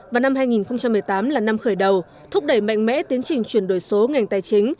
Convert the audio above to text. và năm hai nghìn một mươi tám là năm khởi đầu thúc đẩy mạnh mẽ tiến trình chuyển đổi số ngành tài chính